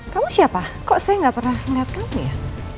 kamu siapa kok saya gak pernah ngeliat kamu ya